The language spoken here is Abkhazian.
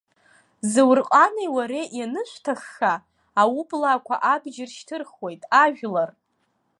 Заурҟани уареи ианышәҭахха, аублаақәа абџьар шьҭырхуеит, ажәлар.